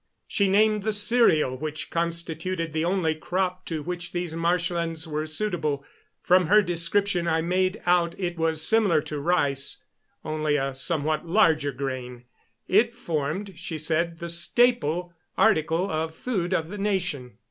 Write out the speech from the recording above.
She named the cereal which constituted the only crop to which these marsh lands were suitable. From her description I made out it was similar to rice, only of a somewhat larger grain. It formed, she said, the staple article of food of the nation.